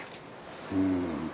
うん。